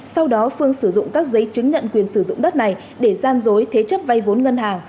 sau đó phương sử dụng các giấy chứng nhận quyền sử dụng đất này để gian dối thế chấp vay vốn ngân hàng